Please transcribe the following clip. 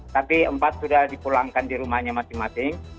tapi empat sudah dipulangkan di rumahnya masing masing